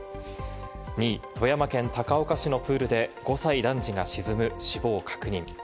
２位、富山県高岡市のプールで５歳男児が沈む、死亡確認。